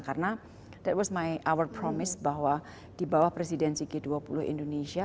karena itu adalah janji saya bahwa di bawah presidensi g dua puluh indonesia